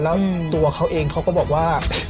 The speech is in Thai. แล้วตัวเขาเองเขาก็บอกว่า